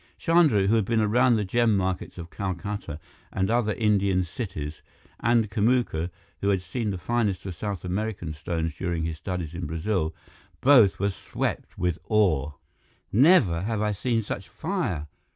Chandra, who had been around the gem markets of Calcutta and other Indian cities, and Kamuka, who had seen the finest of South American stones during his studies in Brazil both were swept with awe. "Never have I seen such fire!"